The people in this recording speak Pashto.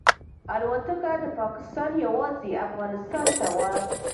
الوتکه د پاکستان یوازې افغانستان ته وه.